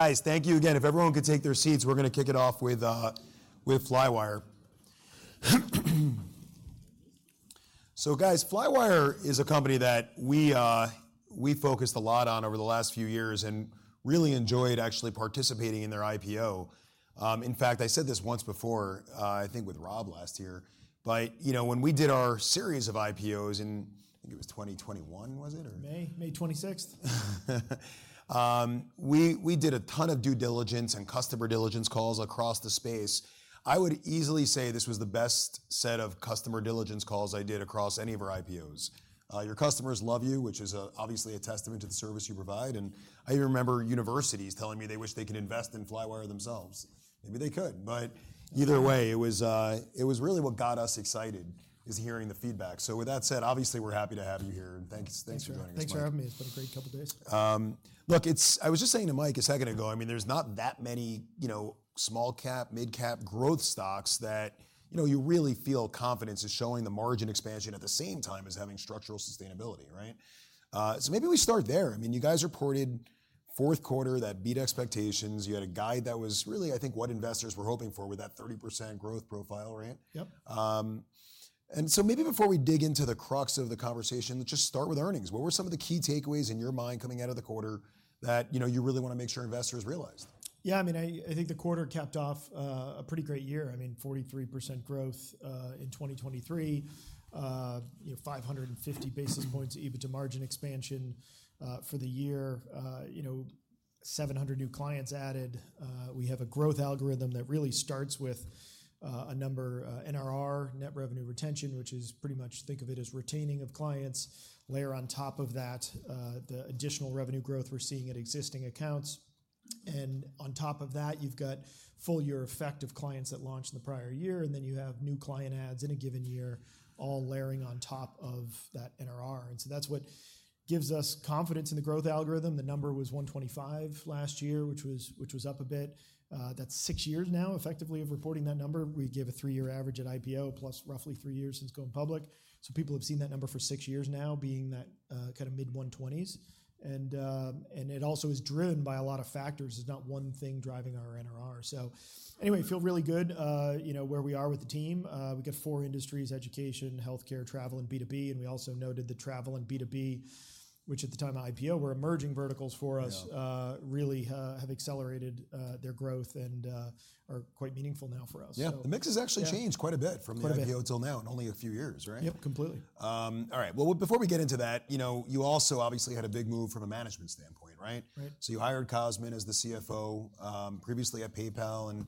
Guys, thank you again. If everyone could take their seats, we're gonna kick it off with Flywire. So guys, Flywire is a company that we focused a lot on over the last few years and really enjoyed actually participating in their IPO. In fact, I said this once before, I think with Rob last year, but you know, when we did our series of IPOs in, I think it was 2021, was it, or? May 26th. We did a ton of due diligence and customer diligence calls across the space. I would easily say this was the best set of customer diligence calls I did across any of our IPOs. Your customers love you, which is obviously a testament to the service you provide, and I even remember universities telling me they wish they could invest in Flywire themselves. Maybe they could, but either way, it was really what got us excited, is hearing the feedback. So with that said, obviously, we're happy to have you here, and thanks- Thanks, Brian. Thanks for joining us, Mike. Thanks for having me. It's been a great couple of days. Look, it's... I was just saying to Mike a second ago, I mean, there's not that many, you know, small-cap, mid-cap growth stocks that, you know, you really feel confidence is showing the margin expansion at the same time as having structural sustainability, right? So maybe we start there. I mean, you guys reported fourth quarter that beat expectations. You had a guide that was really, I think, what investors were hoping for with that 30% growth profile, right? Yep. Maybe before we dig into the crux of the conversation, let's just start with earnings. What were some of the key takeaways in your mind coming out of the quarter that, you know, you really want to make sure investors realized? Yeah, I mean, I think the quarter capped off a pretty great year. I mean, 43% growth in 2023. You know, 550 basis points EBITDA margin expansion for the year. You know, 700 new clients added. We have a growth algorithm that really starts with a number, NRR, net revenue retention, which is pretty much, think of it as retaining of clients. Layer on top of that, the additional revenue growth we're seeing at existing accounts, and on top of that, you've got full year effect of clients that launched in the prior year, and then you have new client adds in a given year, all layering on top of that NRR. And so that's what gives us confidence in the growth algorithm. The number was 125 last year, which was up a bit. That's 6 years now, effectively, of reporting that number. We give a 3-year average at IPO, plus roughly 3 years since going public. So people have seen that number for 6 years now, being that kind of mid-120s. And it also is driven by a lot of factors. There's not one thing driving our NRR. So anyway, feel really good, you know, where we are with the team. We've got 4 industries, education, healthcare, travel, and B2B, and we also noted the travel and B2B, which at the time of IPO, were emerging verticals for us- Yeah ...really have accelerated their growth and are quite meaningful now for us. Yeah. So. The mix has actually changed- Yeah... quite a bit- Quite a bit.... from the IPO till now in only a few years, right? Yep, completely. All right. Well, before we get into that, you know, you also obviously had a big move from a management standpoint, right? Right. So you hired Cosmin as the CFO, previously at PayPal, and,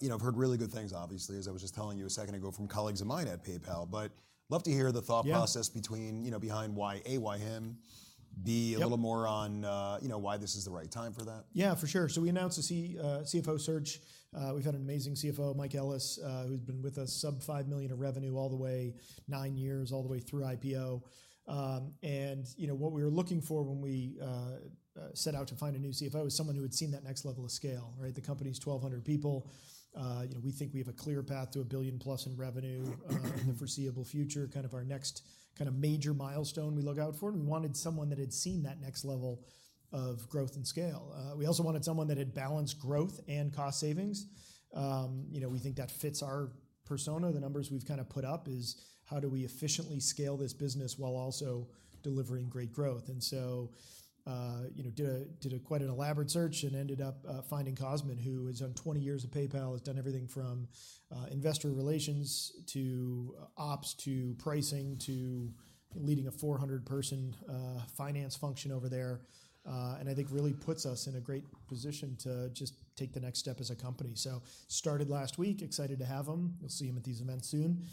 you know, I've heard really good things, obviously, as I was just telling you a second ago, from colleagues of mine at PayPal. But love to hear the thought process- Yeah... between, you know, behind why, A, why him? Yep. B, a little more on, you know, why this is the right time for that. Yeah, for sure. So we announced the CFO search. We've had an amazing CFO, Mike Ellis, who's been with us, sub $5 million of revenue all the way 9 years, all the way through IPO. And you know, what we were looking for when we set out to find a new CFO is someone who had seen that next level of scale, right? The company's 1,200 people. You know, we think we have a clear path to $1 billion+ in revenue, in the foreseeable future, kind of our next kind of major milestone we look out for, and we wanted someone that had seen that next level of growth and scale. We also wanted someone that had balanced growth and cost savings. You know, we think that fits our persona. The numbers we've kind of put up is: how do we efficiently scale this business while also delivering great growth? And so, you know, did quite an elaborate search and ended up finding Cosmin, who has had 20 years of PayPal, has done everything from investor relations to ops, to pricing, to leading a 400-person finance function over there. And I think really puts us in a great position to just take the next step as a company. So started last week, excited to have him. You'll see him at these events soon.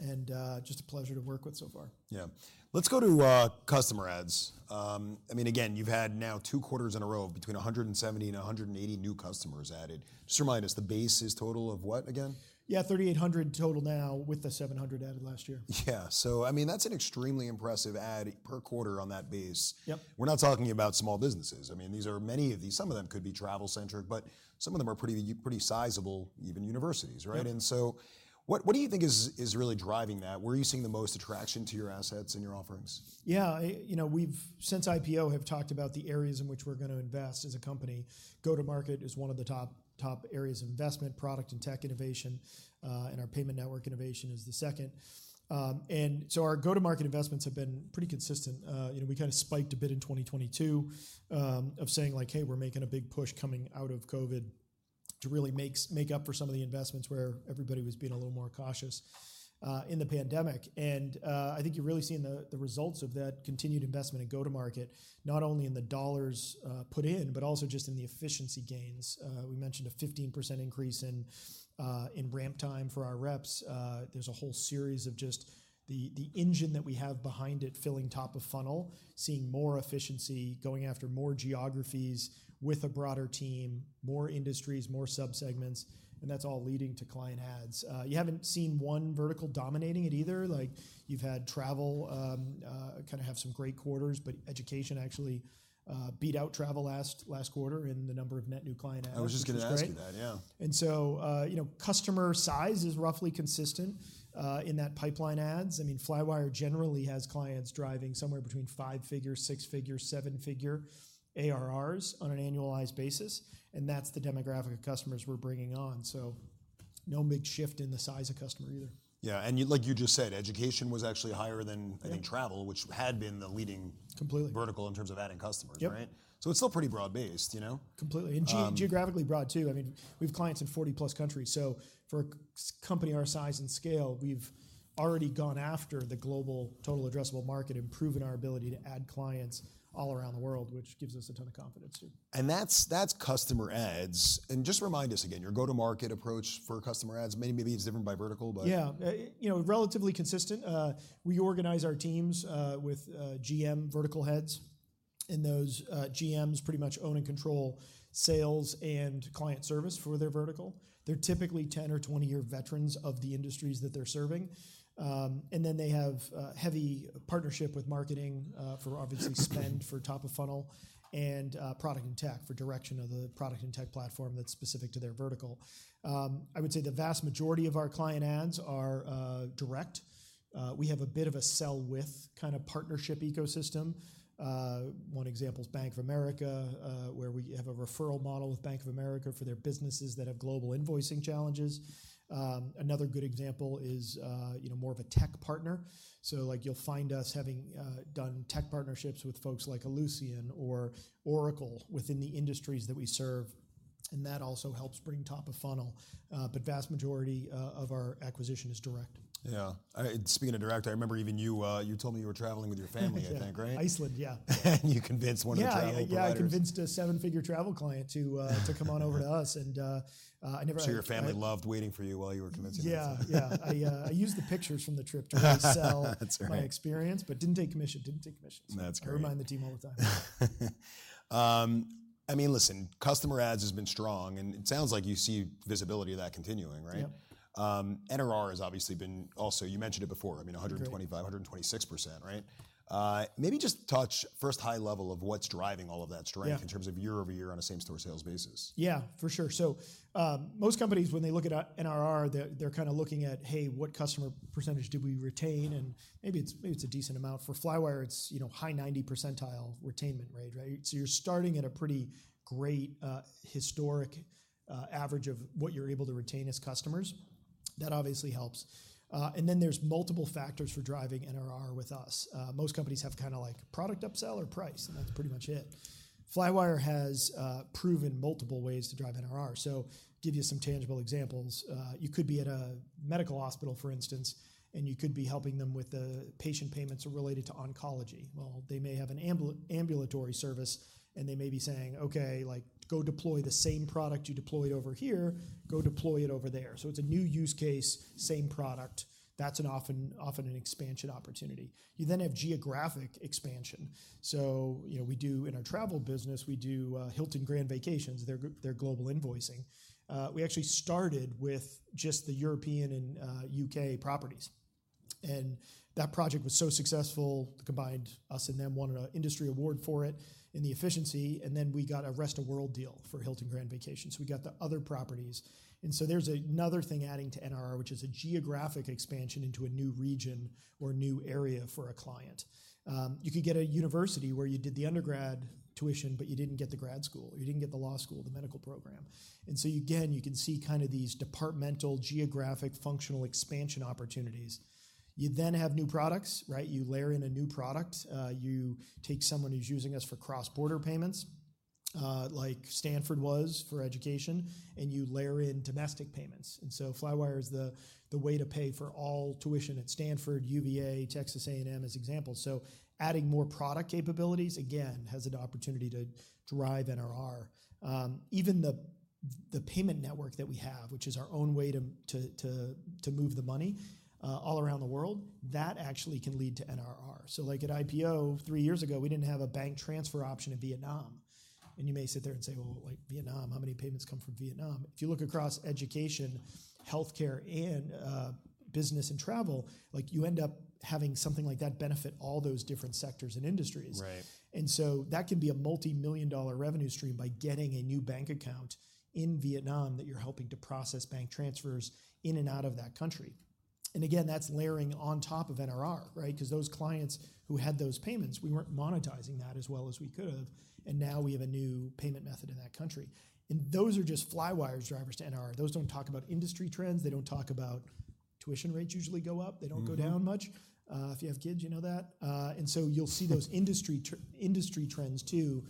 And just a pleasure to work with so far. Yeah. Let's go to customer adds. I mean, again, you've had now two quarters in a row between 170 and 180 new customers added. Just remind us, the base is total of what again? Yeah, 3,800 total now, with the 700 added last year. Yeah. So, I mean, that's an extremely impressive add per quarter on that base. Yep. We're not talking about small businesses. I mean, these are many of these, some of them could be travel-centric, but some of them are pretty, pretty sizable, even universities, right? Yep. What do you think is really driving that? Where are you seeing the most attraction to your assets and your offerings? Yeah, you know, we've, since IPO, have talked about the areas in which we're gonna invest as a company. Go-to-market is one of the top, top areas of investment, product and tech innovation, and our payment network innovation is the second. And so our go-to-market investments have been pretty consistent. You know, we kind of spiked a bit in 2022, of saying like: Hey, we're making a big push coming out of COVID to really make up for some of the investments where everybody was being a little more cautious in the pandemic. And I think you're really seeing the results of that continued investment in go-to-market, not only in the dollars put in, but also just in the efficiency gains. We mentioned a 15% increase in ramp time for our reps. There's a whole series of just the, the engine that we have behind it, filling top of funnel, seeing more efficiency, going after more geographies with a broader team, more industries, more subsegments, and that's all leading to client adds. You haven't seen one vertical dominating it either. Like, you've had travel, kind of have some great quarters, but education actually beat out travel last, last quarter in the number of net new client adds, which is great. I was just gonna ask you that, yeah. you know, customer size is roughly consistent in that pipeline adds. I mean, Flywire generally has clients driving somewhere between five-figure, six-figure, seven-figure ARRs on an annualized basis, and that's the demographic of customers we're bringing on. So no big shift in the size of customer either. Yeah, and you, like you just said, education was actually higher than- Yeah I think, travel, which had been the leading- Completely vertical in terms of adding customers, right? Yep. It's still pretty broad-based, you know? Completely. Um- Geographically broad, too. I mean, we have clients in 40+ countries, so for a company our size and scale, we've already gone after the global total addressable market and proven our ability to add clients all around the world, which gives us a ton of confidence, too. That's, that's customer adds. Just remind us again, your go-to-market approach for customer adds, maybe it's different by vertical, but- Yeah. You know, relatively consistent. We organize our teams with GM vertical heads, and those GMs pretty much own and control sales and client service for their vertical. They're typically 10- or 20-year veterans of the industries that they're serving. And then they have heavy partnership with marketing for obviously spend for top of funnel and product and tech for direction of the product and tech platform that's specific to their vertical. I would say the vast majority of our client adds are direct. We have a bit of a sell with kind of partnership ecosystem. One example is Bank of America, where we have a referral model with Bank of America for their businesses that have global invoicing challenges. Another good example is, you know, more of a tech partner. So, like, you'll find us having done tech partnerships with folks like Ellucian or Oracle within the industries that we serve, and that also helps bring top of funnel, but vast majority of our acquisition is direct. Yeah. Speaking of direct, I remember even you, you told me you were traveling with your family, I think, right? Iceland, yeah. You convinced one of the travel providers- Yeah. Yeah, I convinced a seven-figure travel client to come on over to us, and, I never- So your family loved waiting for you while you were convincing this one? Yeah. Yeah. I used the pictures from the trip to try to sell- That's right... my experience, but didn't take commission. Didn't take commission. That's great. I remind the team all the time. I mean, listen, customer adds has been strong, and it sounds like you see visibility of that continuing, right? Yeah. NRR has obviously been also... You mentioned it before. Mm-hmm. I mean, 125, 126%, right? Maybe just touch first high level of what's driving all of that strength- Yeah... in terms of year-over-year on a same-store sales basis. Yeah, for sure. So, most companies, when they look at NRR, they're kind of looking at, "Hey, what customer percentage did we retain?" And maybe it's a decent amount. For Flywire, it's, you know, high 90 percentile retention rate, right? So you're starting at a pretty great historic average of what you're able to retain as customers. That obviously helps. And then there's multiple factors for driving NRR with us. Most companies have kind of like product upsell or price, and that's pretty much it. Flywire has proven multiple ways to drive NRR. So give you some tangible examples. You could be at a medical hospital, for instance, and you could be helping them with the patient payments related to oncology. Well, they may have an ambulatory service, and they may be saying: Okay, like, go deploy the same product you deployed over here, go deploy it over there. So it's a new use case, same product. That's often an expansion opportunity. You then have geographic expansion. So, you know, in our travel business, we do Hilton Grand Vacations, their global invoicing. We actually started with just the European and U.K. properties, and that project was so successful, combined, us and them, won an industry award for it in the efficiency, and then we got a rest of world deal for Hilton Grand Vacations. We got the other properties. And so there's another thing adding to NRR, which is a geographic expansion into a new region or new area for a client. You could get a university where you did the undergrad tuition, but you didn't get the grad school, or you didn't get the law school, the medical program. And so, again, you can see kind of these departmental, geographic, functional expansion opportunities. You then have new products, right? You layer in a new product. You take someone who's using us for cross-border payments, like Stanford was for education, and you layer in domestic payments. And so Flywire is the way to pay for all tuition at Stanford, UVA, Texas A&M, as examples. So adding more product capabilities, again, has an opportunity to drive NRR. Even the payment network that we have, which is our own way to move the money all around the world, that actually can lead to NRR. So, like at IPO, three years ago, we didn't have a bank transfer option in Vietnam. And you may sit there and say: "Well, like Vietnam, how many payments come from Vietnam?" If you look across education, healthcare, and business and travel, like, you end up having something like that benefit all those different sectors and industries. Right. That can be a multimillion-dollar revenue stream by getting a new bank account in Vietnam that you're helping to process bank transfers in and out of that country. Again, that's layering on top of NRR, right? Because those clients who had those payments, we weren't monetizing that as well as we could have, and now we have a new payment method in that country. Those are just Flywire's drivers to NRR. Those don't talk about industry trends. They don't talk about tuition rates usually go up. Mm-hmm. They don't go down much. If you have kids, you know that. And so you'll see those industry trends too,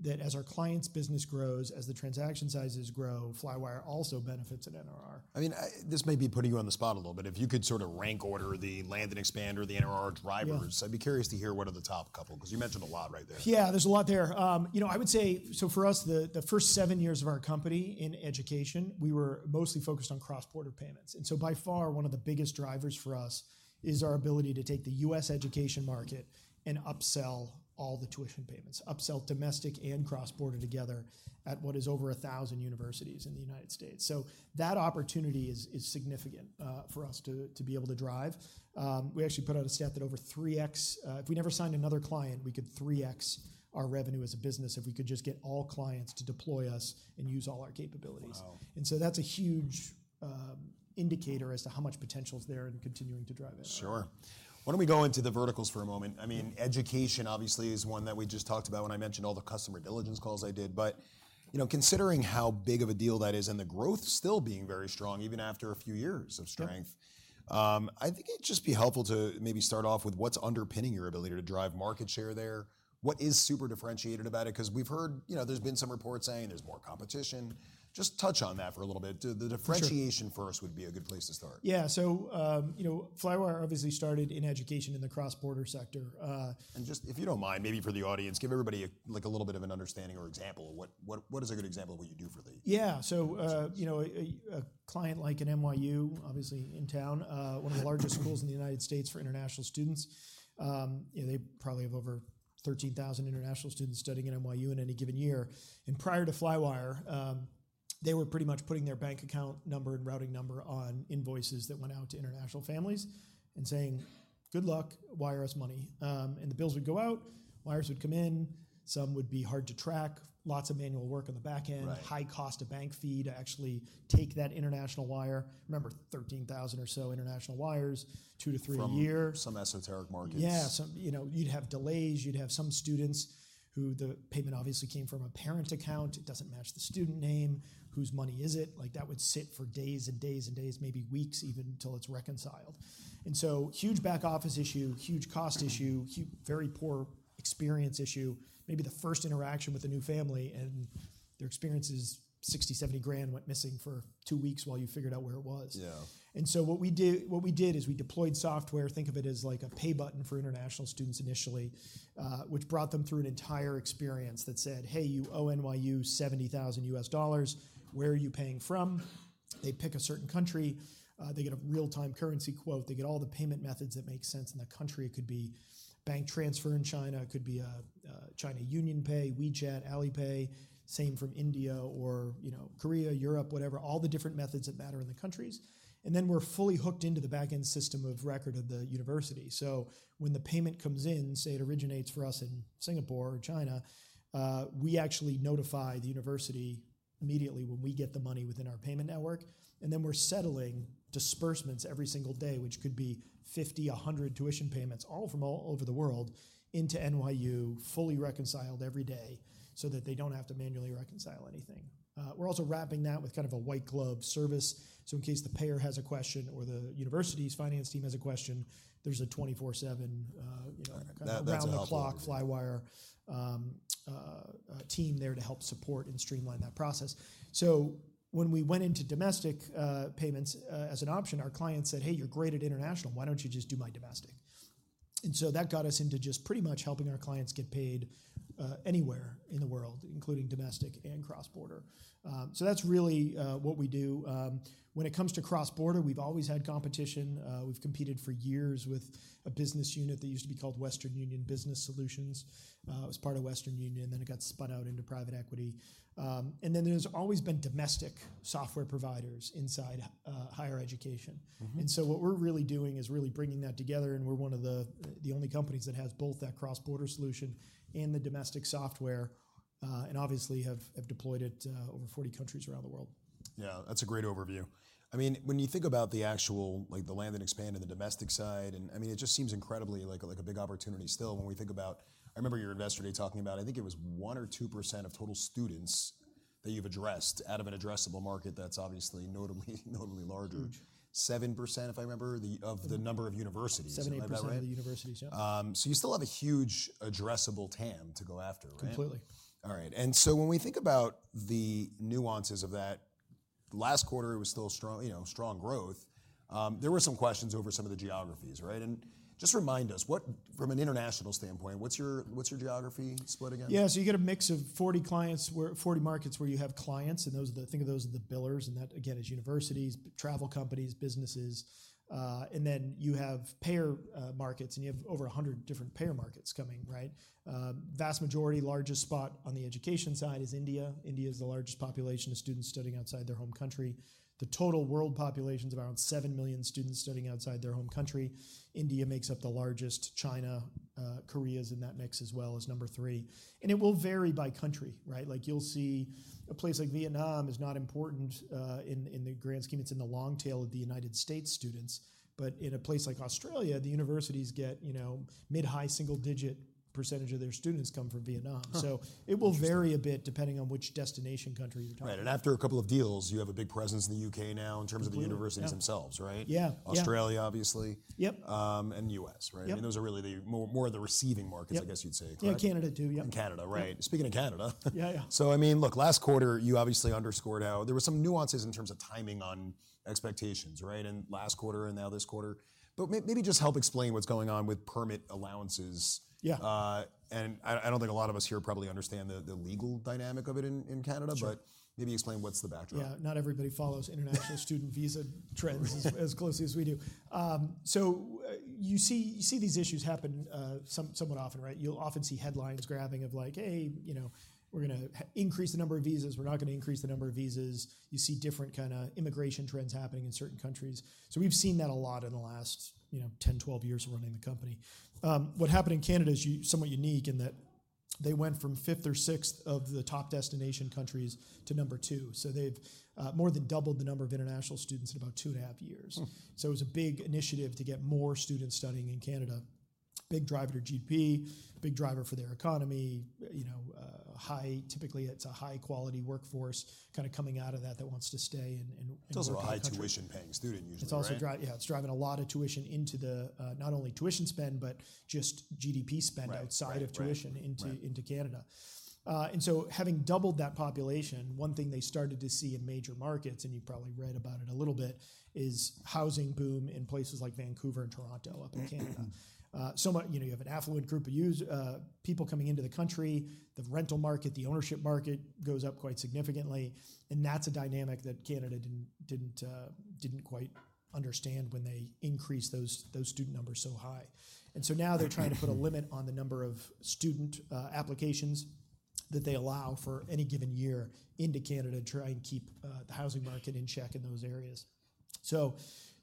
that as our clients' business grows, as the transaction sizes grow, Flywire also benefits in NRR. I mean, this may be putting you on the spot a little bit. If you could sort of rank order the land and expand or the NRR drivers- Yeah... I'd be curious to hear what are the top couple, because you mentioned a lot right there. Yeah, there's a lot there. You know, I would say, so for us, the first seven years of our company in education, we were mostly focused on cross-border payments. And so by far, one of the biggest drivers for us is our ability to take the U.S. education market and upsell all the tuition payments, upsell domestic and cross-border together at what is over 1,000 universities in the United States. So that opportunity is significant for us to be able to drive. We actually put out a stat that over 3x... If we never signed another client, we could 3x our revenue as a business if we could just get all clients to deploy us and use all our capabilities. Wow! That's a huge indicator as to how much potential is there in continuing to drive it. Sure. Why don't we go into the verticals for a moment? Mm-hmm. I mean, education obviously is one that we just talked about when I mentioned all the customer diligence calls I did. But, you know, considering how big of a deal that is and the growth still being very strong even after a few years of strength- Sure. I think it'd just be helpful to maybe start off with what's underpinning your ability to drive market share there. What is super differentiated about it? 'Cause we've heard, you know, there's been some reports saying there's more competition. Just touch on that for a little bit. Sure. The differentiation for us would be a good place to start. Yeah, so, you know, Flywire obviously started in education in the cross-border sector. Just, if you don't mind, maybe for the audience, give everybody a, like, a little bit of an understanding or example of what is a good example of what you do for the- Yeah. International students. So, you know, a client like an NYU, obviously in town. Yeah... one of the largest schools in the United States for international students. You know, they probably have over 13,000 international students studying at NYU in any given year. And prior to Flywire, they were pretty much putting their bank account number and routing number on invoices that went out to international families and saying, "Good luck, wire us money." And the bills would go out, wires would come in, some would be hard to track, lots of manual work on the back end. Right. High cost of bank fee to actually take that international wire. Remember, 13,000 or so international wires, 2-3 a year. From some esoteric markets. Yeah, you know, you'd have delays. You'd have some students who the payment obviously came from a parent account. It doesn't match the student name. Whose money is it? Like, that would sit for days and days and days, maybe weeks even, till it's reconciled. And so huge back office issue, huge cost issue. Mm-hmm... huge, very poor experience issue. Maybe the first interaction with a new family, and their experience is $60,000-$70,000 went missing for two weeks while you figured out where it was. Yeah. And so what we do - what we did is we deployed software. Think of it as like a pay button for international students initially, which brought them through an entire experience that said: "Hey, you owe NYU $70,000. Where are you paying from?" They pick a certain country, they get a real-time currency quote, they get all the payment methods that make sense in that country. It could be bank transfer in China, it could be a China UnionPay, WeChat, Alipay, same from India or, you know, Korea, Europe, whatever, all the different methods that matter in the countries. And then we're fully hooked into the back-end system of record of the university. So when the payment comes in, say, it originates for us in Singapore or China, we actually notify the university immediately when we get the money within our payment network, and then we're settling disbursements every single day, which could be 50, 100 tuition payments, all from all over the world, into NYU, fully reconciled every day, so that they don't have to manually reconcile anything. We're also wrapping that with kind of a white glove service, so in case the payer has a question or the university's finance team has a question, there's a 24/7, you know- That's a helpful-... round-the-clock Flywire team there to help support and streamline that process. So when we went into domestic payments as an option, our clients said: "Hey, you're great at international. Why don't you just do my domestic?" And so that got us into just pretty much helping our clients get paid anywhere in the world, including domestic and cross-border. So that's really what we do. When it comes to cross-border, we've always had competition. We've competed for years with a business unit that used to be called Western Union Business Solutions. It was part of Western Union, then it got spun out into private equity. And then there's always been domestic software providers inside higher education. Mm-hmm. So what we're really doing is really bringing that together, and we're one of the only companies that has both that cross-border solution and the domestic software, and obviously have deployed it, over 40 countries around the world. Yeah, that's a great overview. I mean, when you think about the actual, like, the land and expand and the domestic side, and I mean, it just seems incredibly like a, like a big opportunity still when we think about... I remember your investor day talking about, I think it was 1% or 2% of total students that you've addressed out of an addressable market that's obviously notably, notably larger. Huge. 7%, if I remember, of the number of universities. 7, 8%- Am I that right?... of the universities, yeah. You still have a huge addressable TAM to go after, right? completely. All right. So when we think about the nuances of that, last quarter, it was still a strong, you know, strong growth. There were some questions over some of the geographies, right? And just remind us, what - from an international standpoint, what's your, what's your geography split again? Yeah, so you get a mix of 40 markets where you have clients, and those are the—think of those as the billers, and that, again, is universities, travel companies, businesses. And then you have payer markets, and you have over 100 different payer markets coming, right? Vast majority, largest spot on the education side is India. India is the largest population of students studying outside their home country. The total world population is around 7 million students studying outside their home country. India makes up the largest. China, Korea is in that mix as well, as number 3. And it will vary by country, right? Like, you'll see a place like Vietnam is not important in the grand scheme. It's in the long tail of the United States students. But in a place like Australia, the universities get, you know, mid-high single-digit % of their students come from Vietnam. Huh. So it will- Interesting... vary a bit depending on which destination country you're talking about. Right, and after a couple of deals, you have a big presence in the UK now- Completely... in terms of the universities themselves, right? Yeah, yeah. Australia, obviously. Yep. and the U.S., right? Yep. And those are really the more of the receiving markets- Yep... I guess you'd say. Correct? Yeah, Canada, too. Yep. And Canada, right. Yeah. Speaking of Canada. Yeah, yeah. So I mean, look, last quarter, you obviously underscored how there were some nuances in terms of timing on expectations, right? In last quarter and now this quarter. But maybe just help explain what's going on with permit allowances. Yeah. And I don't think a lot of us here probably understand the legal dynamic of it in Canada. Sure. Maybe explain what's the backdrop. Yeah, not everybody follows international student visa trends as closely as we do. So you see these issues happen somewhat often, right? You'll often see headlines grabbing of like, "Hey, you know, we're gonna increase the number of visas. We're not gonna increase the number of visas." You see different kinda immigration trends happening in certain countries. So we've seen that a lot in the last, you know, 10, 12 years of running the company. What happened in Canada is somewhat unique in that they went from fifth or sixth of the top destination countries to number two. So they've more than doubled the number of international students in about two and a half years. Hmm. So it was a big initiative to get more students studying in Canada. Big driver to GDP, big driver for their economy, you know, typically, it's a high-quality workforce kind of coming out of that, that wants to stay and work in the country. Those are high tuition-paying student usually, right? It's also. Yeah, it's driving a lot of tuition into the, not only tuition spend, but just GDP spend- Right, right, right... outside of tuition into- Right... into Canada. And so having doubled that population, one thing they started to see in major markets, and you've probably read about it a little bit, is housing boom in places like Vancouver and Toronto up in Canada. You know, you have an affluent group of U.S. people coming into the country, the rental market, the ownership market goes up quite significantly, and that's a dynamic that Canada didn't quite understand when they increased those student numbers so high. And so now they're trying to put a limit on the number of student applications that they allow for any given year into Canada to try and keep the housing market in check in those areas. So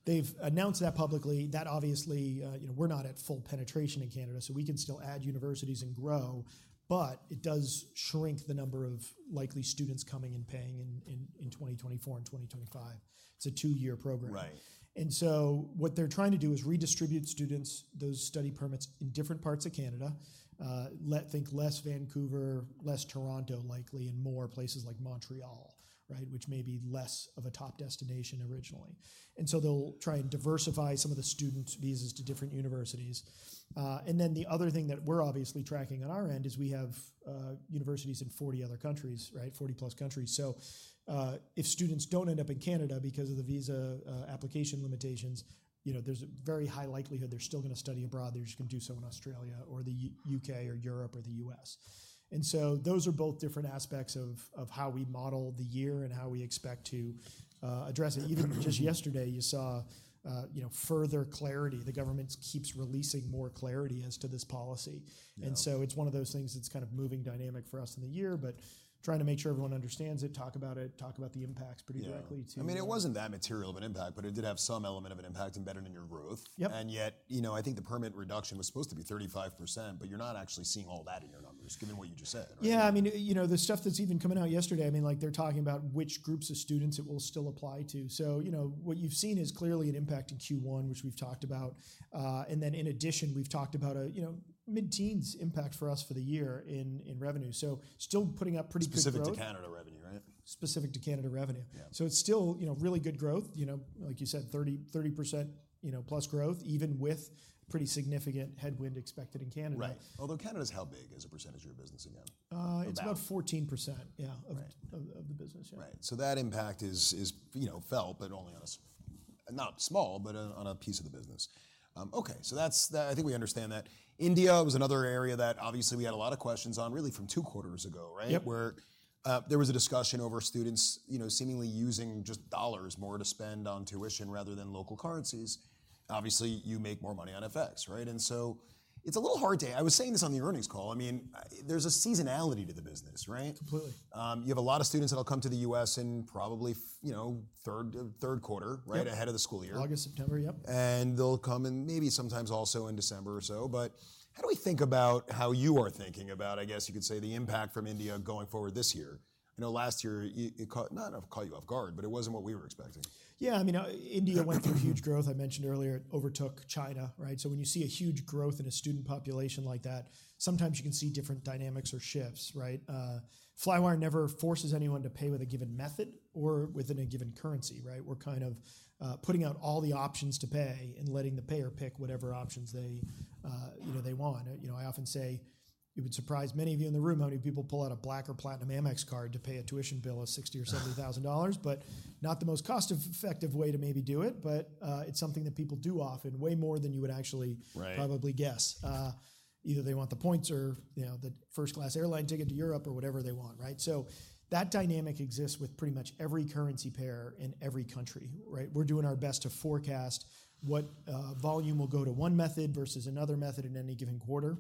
they've announced that publicly. That obviously, you know, we're not at full penetration in Canada, so we can still add universities and grow, but it does shrink the number of likely students coming and paying in 2024 and 2025. It's a two-year program. Right. And so what they're trying to do is redistribute students, those study permits, in different parts of Canada. Think less Vancouver, less Toronto likely, and more places like Montreal, right? Which may be less of a top destination originally. And so they'll try and diversify some of the student visas to different universities. And then the other thing that we're obviously tracking on our end is we have universities in 40 other countries, right? 40-plus countries. So, if students don't end up in Canada because of the visa application limitations, you know, there's a very high likelihood they're still gonna study abroad. They're just gonna do so in Australia or the U.K. or Europe or the U.S. And so those are both different aspects of how we model the year and how we expect to address it. Even just yesterday, you saw, you know, further clarity. The government keeps releasing more clarity as to this policy. Yeah. And so it's one of those things that's kind of moving dynamic for us in the year, but trying to make sure everyone understands it, talk about it, talk about the impacts pretty directly to- Yeah. I mean, it wasn't that material of an impact, but it did have some element of an impact embedded in your growth. Yep. And yet, you know, I think the permit reduction was supposed to be 35%, but you're not actually seeing all that in your numbers, given what you just said, right? Yeah, I mean, you know, the stuff that's even coming out yesterday, I mean, like, they're talking about which groups of students it will still apply to. So, you know, what you've seen is clearly an impact in Q1, which we've talked about. And then in addition, we've talked about a, you know, mid-teens impact for us for the year in revenue. So still putting up pretty good growth. Specific to Canada revenue, right? Specific to Canada revenue. Yeah. It's still, you know, really good growth. You know, like you said, 33%, you know, plus growth, even with pretty significant headwind expected in Canada. Right. Although Canada's how big as a percentage of your business again, about? It's about 14%, yeah- Right... of the business, yeah. Right. So that impact is, you know, felt, but only on a – not small, but on a piece of the business. Okay, so that's that. I think we understand that. India was another area that obviously we had a lot of questions on, really from two quarters ago, right? Yep. Where there was a discussion over students, you know, seemingly using just dollars more to spend on tuition rather than local currencies. Obviously, you make more money on FX, right? And so it's a little hard to... I was saying this on the earnings call, I mean, there's a seasonality to the business, right? Completely. You have a lot of students that'll come to the U.S. in probably, you know, third quarter- Yep... right ahead of the school year. August, September, yep. They'll come in maybe sometimes also in December or so. How do we think about how you are thinking about, I guess you could say, the impact from India going forward this year? I know last year, it caught - not caught you off guard, but it wasn't what we were expecting. Yeah, I mean, India went through huge growth. I mentioned earlier, it overtook China, right? So when you see a huge growth in a student population like that, sometimes you can see different dynamics or shifts, right? Flywire never forces anyone to pay with a given method or within a given currency, right? We're kind of putting out all the options to pay and letting the payer pick whatever options they, you know, they want. You know, I often say, it would surprise many of you in the room how many people pull out a Black or Platinum Amex card to pay a tuition bill of $60,000-$70,000, but not the most cost-effective way to maybe do it, but, it's something that people do often, way more than you would actually- Right... probably guess. Either they want the points or, you know, the first-class airline ticket to Europe or whatever they want, right? So that dynamic exists with pretty much every currency pair in every country, right? We're doing our best to forecast what volume will go to one method versus another method in any given quarter.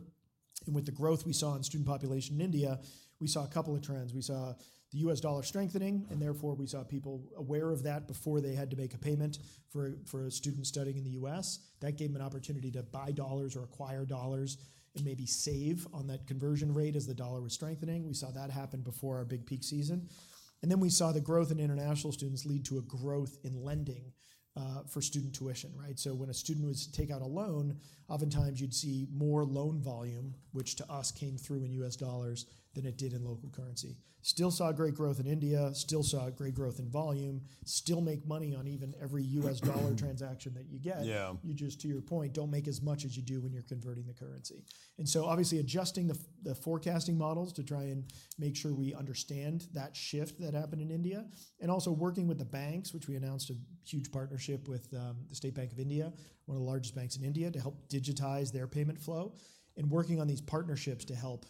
And with the growth we saw in student population in India, we saw a couple of trends. We saw the U.S. dollar strengthening, and therefore, we saw people aware of that before they had to make a payment for a student studying in the U.S. That gave them an opportunity to buy dollars or acquire dollars and maybe save on that conversion rate as the dollar was strengthening. We saw that happen before our big peak season. Then we saw the growth in international students lead to a growth in lending for student tuition, right? When a student would take out a loan, oftentimes you'd see more loan volume, which to us came through in U.S. dollars than it did in local currency. Still saw great growth in India, still saw great growth in volume, still make money on even every U.S. dollar transaction that you get. Yeah. You just, to your point, don't make as much as you do when you're converting the currency. And so obviously, adjusting the forecasting models to try and make sure we understand that shift that happened in India, and also working with the banks, which we announced a huge partnership with, the State Bank of India, one of the largest banks in India, to help digitize their payment flow, and working on these partnerships to help,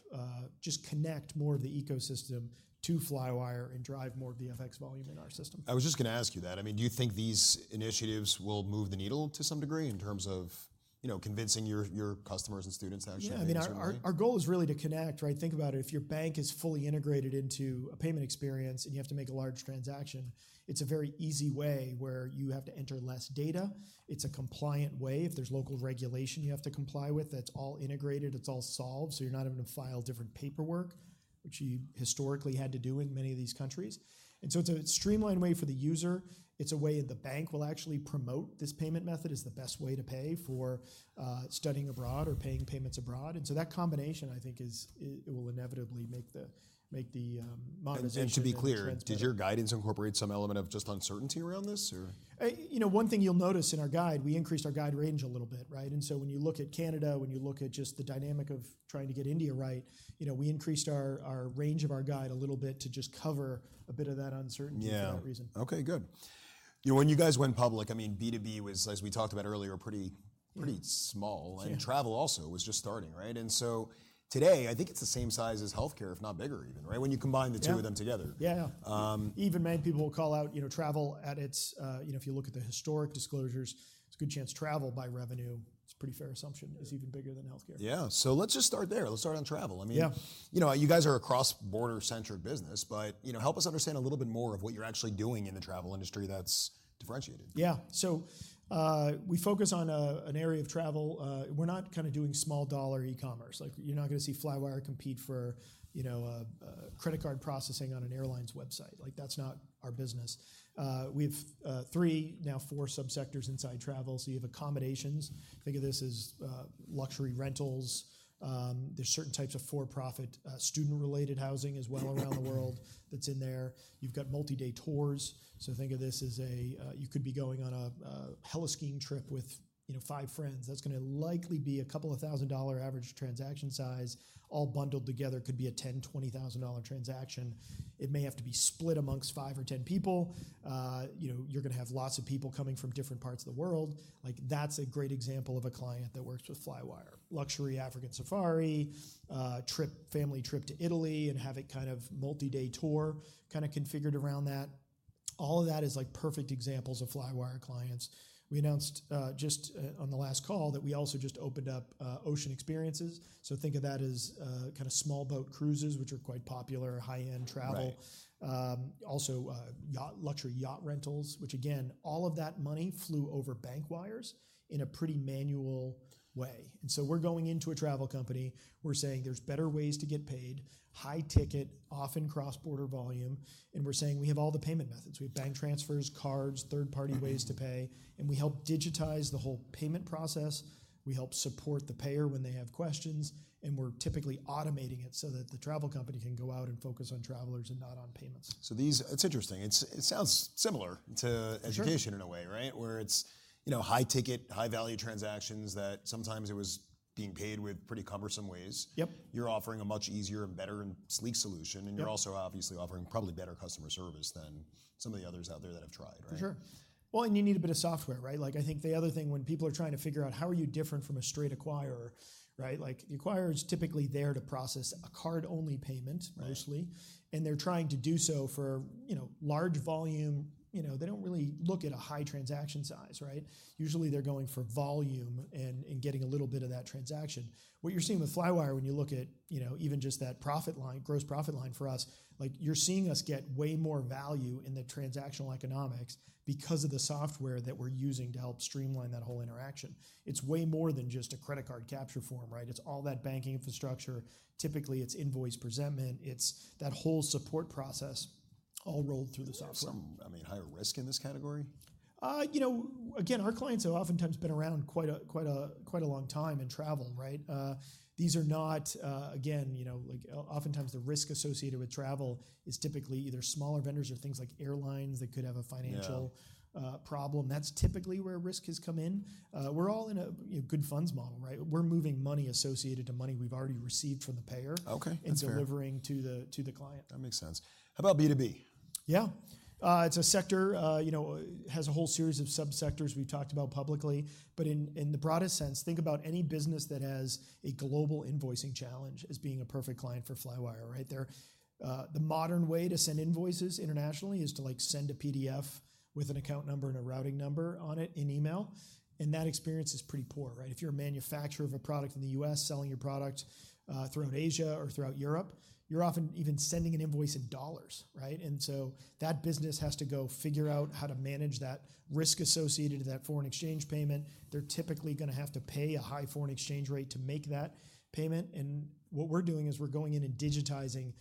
just connect more of the ecosystem to Flywire and drive more of the FX volume in our system. I was just gonna ask you that. I mean, do you think these initiatives will move the needle to some degree in terms of ... you know, convincing your, your customers and students actually? I mean, is there any? Yeah, I mean, our goal is really to connect, right? Think about it. If your bank is fully integrated into a payment experience and you have to make a large transaction, it's a very easy way where you have to enter less data. It's a compliant way. If there's local regulation you have to comply with, that's all integrated, it's all solved, so you're not having to file different paperwork, which you historically had to do in many of these countries. And so it's a streamlined way for the user. It's a way that the bank will actually promote this payment method as the best way to pay for studying abroad or paying payments abroad. And so that combination, I think, is it will inevitably make the modernization of the trends- And to be clear, did your guidance incorporate some element of just uncertainty around this, or? You know, one thing you'll notice in our guide, we increased our guide range a little bit, right? And so when you look at Canada, when you look at just the dynamic of trying to get India right, you know, we increased our range of our guide a little bit to just cover a bit of that uncertainty- Yeah... for that reason. Okay, good. You know, when you guys went public, I mean, B2B was, as we talked about earlier, pretty- Yeah... pretty small. Yeah. And travel also was just starting, right? And so today, I think it's the same size as healthcare, if not bigger even, right? When you combine the two- Yeah... of them together. Yeah, yeah. Um- Even many people will call out, you know, travel at its. You know, if you look at the historic disclosures, there's a good chance travel by revenue, it's a pretty fair assumption, is even bigger than healthcare. Yeah. So let's just start there. Let's start on travel. I mean- Yeah... you know, you guys are a cross-border-centric business, but, you know, help us understand a little bit more of what you're actually doing in the travel industry that's differentiated? Yeah. So, we focus on an area of travel. We're not kinda doing small dollar e-commerce. Like, you're not gonna see Flywire compete for, you know, credit card processing on an airline's website. Like, that's not our business. We've 3, now 4 sub-sectors inside travel. So you have accommodations. Think of this as luxury rentals. There's certain types of for-profit student-related housing as well around the world- Mm-hmm... that's in there. You've got multi-day tours, so think of this as a you could be going on a heli-skiing trip with, you know, five friends. That's gonna likely be a $2,000 average transaction size, all bundled together, could be a $10,000, $20,000 transaction. It may have to be split amongst five or 10 people. You know, you're gonna have lots of people coming from different parts of the world. Like, that's a great example of a client that works with Flywire. Luxury African safari trip, family trip to Italy, and have it kind of multi-day tour, kinda configured around that. All of that is like perfect examples of Flywire clients. We announced just on the last call that we also just opened up ocean experiences, so think of that as kinda small boat cruises, which are quite popular high-end travel. Right. also, yacht luxury yacht rentals, which again, all of that money flew over bank wires in a pretty manual way. And so we're going into a travel company, we're saying there's better ways to get paid, high-ticket, often cross-border volume, and we're saying we have all the payment methods. We have bank transfers, cards, third-party ways to pay- Mm-hmm. and we help digitize the whole payment process, we help support the payer when they have questions, and we're typically automating it so that the travel company can go out and focus on travelers and not on payments. It's interesting. It sounds similar to- Sure... education in a way, right? Where it's, you know, high ticket, high value transactions that sometimes it was being paid with pretty cumbersome ways. Yep. You're offering a much easier and better and sleek solution. Yep. You're also obviously offering probably better customer service than some of the others out there that have tried, right? For sure. Well, and you need a bit of software, right? Like, I think the other thing, when people are trying to figure out how are you different from a straight acquirer, right? Like, the acquirer is typically there to process a card-only payment- Right... mostly, and they're trying to do so for, you know, large volume. You know, they don't really look at a high transaction size, right? Usually, they're going for volume and, and getting a little bit of that transaction. What you're seeing with Flywire, when you look at, you know, even just that profit line, gross profit line for us, like, you're seeing us get way more value in the transactional economics because of the software that we're using to help streamline that whole interaction. It's way more than just a credit card capture form, right? It's all that banking infrastructure. Typically, it's invoice presentment, it's that whole support process all rolled through the software. Is there some, I mean, higher risk in this category? You know, again, our clients have oftentimes been around quite a long time in travel, right? These are not... Again, you know, like, oftentimes, the risk associated with travel is typically either smaller vendors or things like airlines that could have a financial- Yeah... problem. That's typically where risk has come in. We're all in a good funds model, right? We're moving money associated to money we've already received from the payer- Okay, that's fair.... and delivering to the client. That makes sense. How about B2B? Yeah. It's a sector, you know, has a whole series of sub-sectors we've talked about publicly, but in the broadest sense, think about any business that has a global invoicing challenge as being a perfect client for Flywire, right? They're the modern way to send invoices internationally is to, like, send a PDF with an account number and a routing number on it in email, and that experience is pretty poor, right? If you're a manufacturer of a product in the U.S., selling your product throughout Asia or throughout Europe, you're often even sending an invoice in dollars, right? And so that business has to go figure out how to manage that risk associated to that foreign exchange payment. They're typically gonna have to pay a high foreign exchange rate to make that payment, and what we're doing is we're going in and digitizing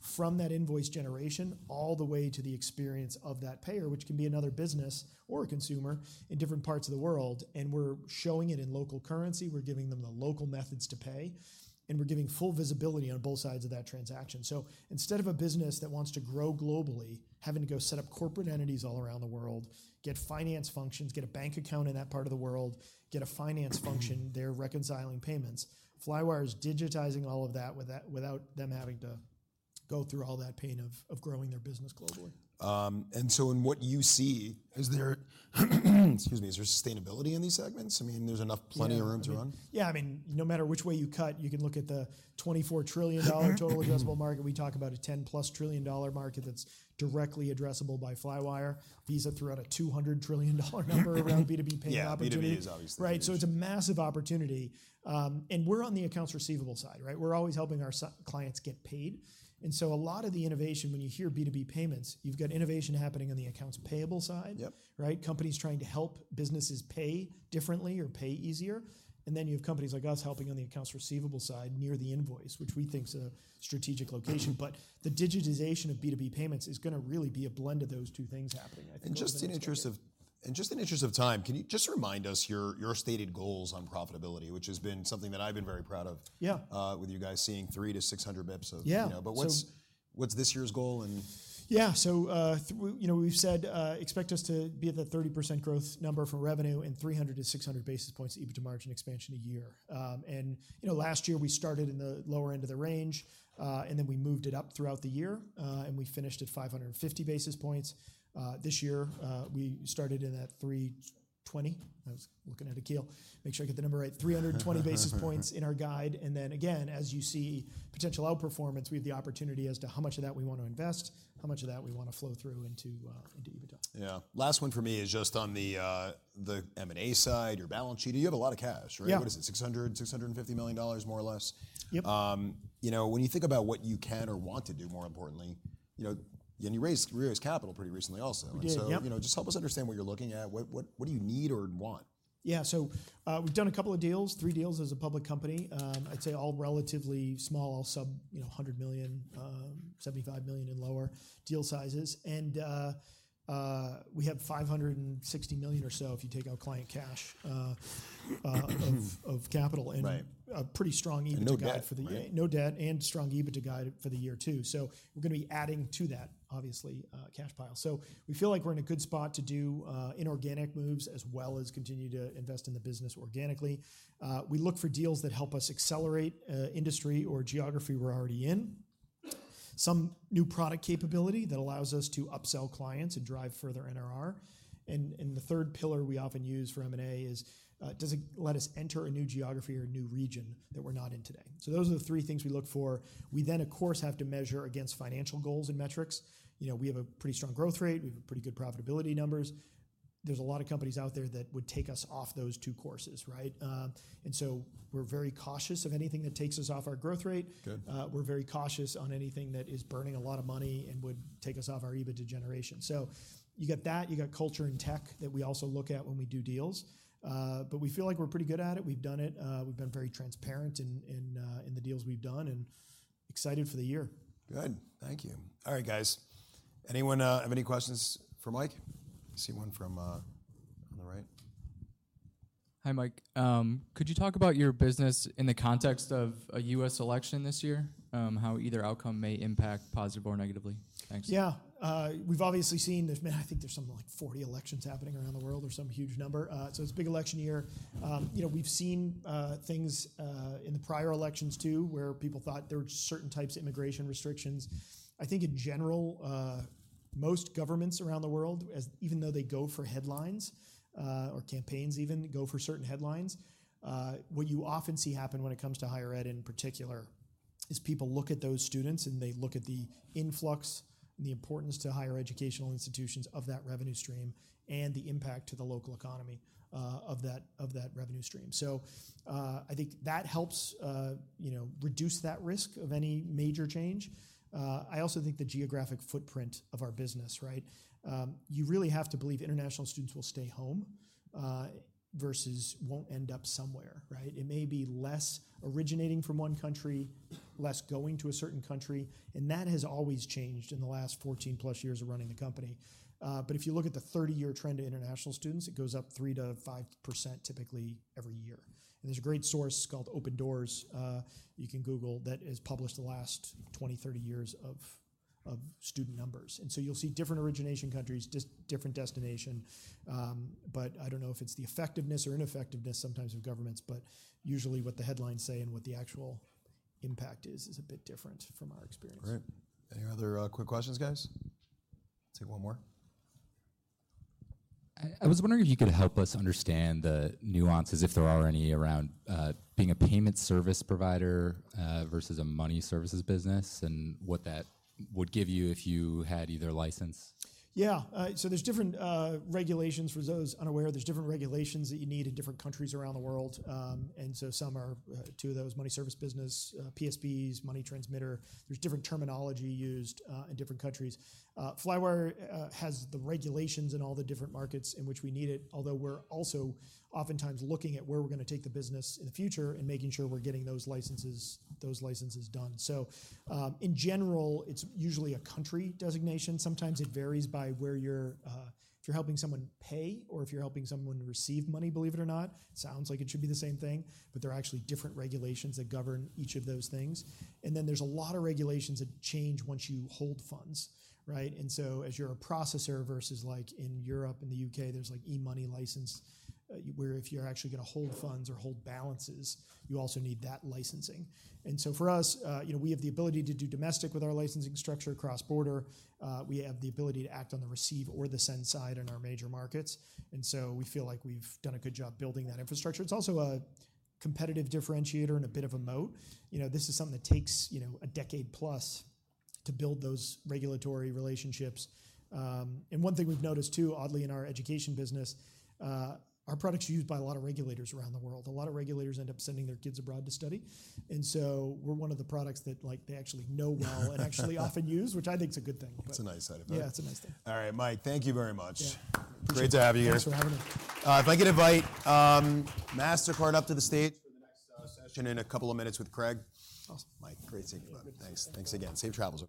from that invoice generation all the way to the experience of that payer, which can be another business or a consumer in different parts of the world, and we're showing it in local currency. We're giving them the local methods to pay, and we're giving full visibility on both sides of that transaction. So instead of a business that wants to grow globally, having to go set up corporate entities all around the world, get finance functions, get a bank account in that part of the world, get a finance function, they're reconciling payments. Flywire is digitizing all of that without them having to go through all that pain of growing their business globally. And so in what you see, is there, excuse me, is there sustainability in these segments? I mean, there's enough. Yeah. Plenty of room to run? Yeah, I mean, no matter which way you cut, you can look at the $24 trillion total addressable market. We talk about a $10+ trillion market that's directly addressable by Flywire. Visa threw out a $200 trillion number around B2B payment opportunity. Yeah, B2B is obviously- Right. So it's a massive opportunity, and we're on the accounts receivable side, right? We're always helping our clients get paid, and so a lot of the innovation, when you hear B2B payments, you've got innovation happening on the accounts payable side. Yep. Right? Companies trying to help businesses pay differently or pay easier, and then you have companies like us helping on the accounts receivable side, near the invoice, which we think is a strategic location. But the digitization of B2B payments is gonna really be a blend of those two things happening, I think, over the next decade. In the interest of time, can you just remind us of your stated goals on profitability, which has been something that I've been very proud of- Yeah... with you guys seeing 300-600 bps of- Yeah. You know. But what's- So- What's this year's goal and...? Yeah, so, you know, we've said, expect us to be at the 30% growth number for revenue and 300-600 basis points EBITDA margin expansion a year. And, you know, last year we started in the lower end of the range, and then we moved it up throughout the year, and we finished at 550 basis points. This year, we started in that 320. I was looking at Akil, make sure I get the number right. 320 basis points in our guide, and then again, as you see potential outperformance, we have the opportunity as to how much of that we want to invest, how much of that we want to flow through into, into EBITDA. Yeah. Last one for me is just on the, the M&A side, your balance sheet. You have a lot of cash, right? Yeah. What is it? $600, $650 million, more or less. Yep. You know, when you think about what you can or want to do, more importantly, you know, and you raised, you raised capital pretty recently also. We did, yep. So, you know, just help us understand what you're looking at. What, what, what do you need or want? Yeah. So, we've done a couple of deals, three deals as a public company. I'd say all relatively small, all sub-$100 million, you know, $75 million and lower deal sizes. And we have $560 million or so, if you take out client cash. Mm... of capital, and- Right... a pretty strong EBITDA guide for the year. No debt, right? No debt and strong EBITDA guide for the year, too. So we're gonna be adding to that, obviously, cash pile. So we feel like we're in a good spot to do, inorganic moves, as well as continue to invest in the business organically. We look for deals that help us accelerate, industry or geography we're already in, some new product capability that allows us to upsell clients and drive further NRR. And the third pillar we often use for M&A is, does it let us enter a new geography or a new region that we're not in today? So those are the three things we look for. We then, of course, have to measure against financial goals and metrics. You know, we have a pretty strong growth rate, we have a pretty good profitability numbers. There's a lot of companies out there that would take us off those two courses, right? And so we're very cautious of anything that takes us off our growth rate. Good. We're very cautious on anything that is burning a lot of money and would take us off our EBITDA generation. So you got that, you got culture and tech that we also look at when we do deals. But we feel like we're pretty good at it. We've done it, we've been very transparent in the deals we've done and excited for the year. Good. Thank you. All right, guys, anyone have any questions for Mike? I see one from, on the right. Hi, Mike. Could you talk about your business in the context of a U.S. election this year? How either outcome may impact positive or negatively? Thanks. Yeah. We've obviously seen there's—I think there's something like 40 elections happening around the world or some huge number. So it's a big election year. You know, we've seen things in the prior elections too, where people thought there were certain types of immigration restrictions. I think in general, most governments around the world, even though they go for headlines or campaigns even, go for certain headlines, what you often see happen when it comes to higher ed, in particular, is people look at those students, and they look at the influx and the importance to higher educational institutions of that revenue stream and the impact to the local economy of that revenue stream. So I think that helps, you know, reduce that risk of any major change. I also think the geographic footprint of our business, right? You really have to believe international students will stay home, versus won't end up somewhere, right? It may be less originating from one country, less going to a certain country, and that has always changed in the last 14+ years of running the company. But if you look at the 30-year trend of international students, it goes up 3%-5% typically every year. And there's a great source called Open Doors, you can Google, that has published the last 20-30 years of student numbers. And so you'll see different origination countries, just different destination. But I don't know if it's the effectiveness or ineffectiveness sometimes of governments, but usually what the headlines say and what the actual impact is, is a bit different from our experience. All right. Any other quick questions, guys? Let's take one more. I was wondering if you could help us understand the nuances, if there are any, around being a payment service provider versus a money services business, and what that would give you if you had either license. Yeah, so there's different regulations. For those unaware, there's different regulations that you need in different countries around the world. And so some are, two of those, money services business, PSPs, money transmitter. There's different terminology used in different countries. Flywire has the regulations in all the different markets in which we need it, although we're also oftentimes looking at where we're gonna take the business in the future and making sure we're getting those licenses, those licenses done. So, in general, it's usually a country designation. Sometimes it varies by where you're, if you're helping someone pay or if you're helping someone receive money, believe it or not. Sounds like it should be the same thing, but there are actually different regulations that govern each of those things. And then there's a lot of regulations that change once you hold funds, right? And so as you're a processor versus, like in Europe and the UK, there's, like, E-money license, where if you're actually gonna hold funds or hold balances, you also need that licensing. And so for us, you know, we have the ability to do domestic with our licensing structure, cross-border. We have the ability to act on the receive or the send side in our major markets, and so we feel like we've done a good job building that infrastructure. It's also a competitive differentiator and a bit of a moat. You know, this is something that takes, you know, a decade plus to build those regulatory relationships. And one thing we've noticed, too, oddly, in our education business, our product's used by a lot of regulators around the world. A lot of regulators end up sending their kids abroad to study, and so we're one of the products that, like, they actually know well, and actually often use, which I think is a good thing. It's a nice side effect. Yeah, it's a nice thing. All right, Mike, thank you very much. Yeah. Great to have you here. Thanks for having me. If I could invite Mastercard up to the stage for the next session in a couple of minutes with Craig. Awesome. Mike, great seeing you. Good to see you. Thanks. Thanks again. Safe travels.